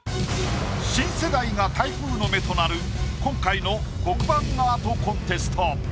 新世代が台風の目となる今回の黒板アートコンテスト。